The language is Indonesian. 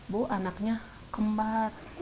bu anaknya kembar